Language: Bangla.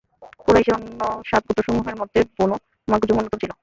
কুরাইশের অন্যান্য সাত গোত্রসমূহের মধ্যে বনু মাখযুম অন্যতম ছিল।